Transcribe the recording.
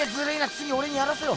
つぎ俺にやらせろ。